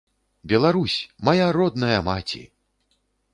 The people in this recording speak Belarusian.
Беларусь, мая родная маці!